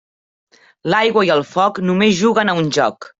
L'aigua i el foc només juguen a un joc.